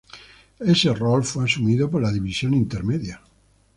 Ese rol fue asumida por la División Intermedia.